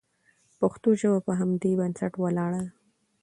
پښتو ژبه په همدې بنسټ ولاړه ده.